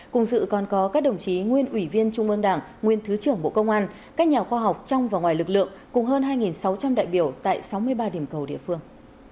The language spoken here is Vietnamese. cùng dự còn có các đồng chí nguyên ủy viên trung ương đảng nguyên thứ trưởng bộ công an các nhà khoa học trong và ngoài lực lượng cùng hơn hai sáu trăm linh đại biểu tại sáu mươi ba điểm cầu địa phương